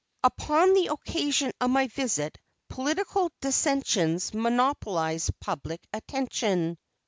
Upon the occasion of my visit political dissensions monopolized public attention.